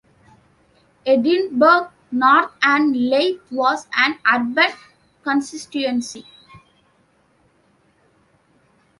Edinburgh North and Leith was an urban constituency.